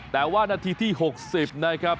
แต่ว่านาทีที่๖๐นะครับ